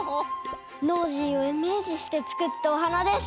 ノージーをイメージしてつくったおはなです。